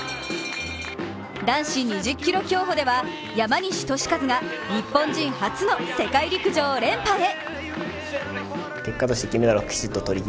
男子２０キロ競歩では山西利和が日本人初の世界陸上連覇へ。